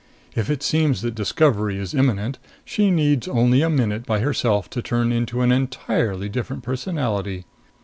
If it seems that discovery is imminent, she needs only a minute by herself to turn into an entirely different personality.